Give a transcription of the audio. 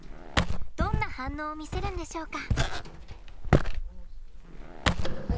どんな反応を見せるんでしょうか？